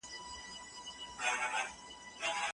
د علماوو رول تل په ټولنه کي روښانه وي.